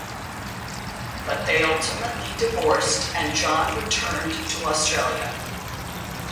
But they ultimately divorced, and John returned to Australia.